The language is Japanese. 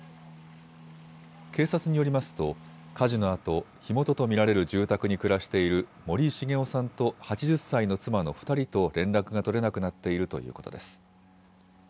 警察によりますと、火事のあと火元と見られる住宅に暮らしている森繁夫さんと８０歳の妻の２人と連絡が取れなくなっているということです。